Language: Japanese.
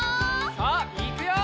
さあいくよ！